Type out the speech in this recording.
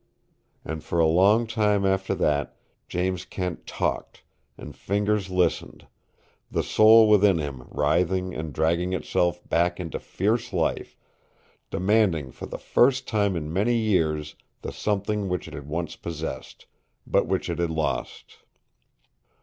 And for a long time after that James Kent talked, and Fingers listened, the soul within him writhing and dragging itself back into fierce life, demanding for the first time in many years the something which it had once possessed, but which it had lost.